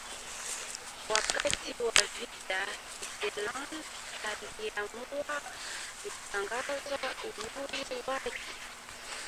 Wakati wa vita Iceland iliamua kutangaza uhuru wake.